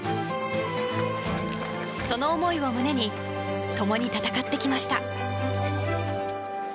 その思いを胸に共に戦ってきました。